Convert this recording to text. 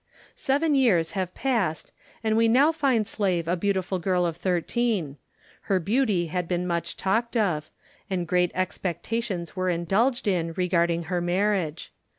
Seven years have passed and we now find Slave a beautiful girl of thirteen. Her beauty had been much talked of, and great expectations were indulged in regarding her marriage.